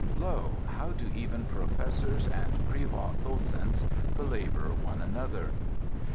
Lo, how do even professors and privat docents belabour one another!